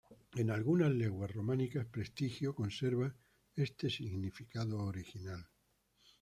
En algunas lenguas románicas "prestigio" conserva este significado original.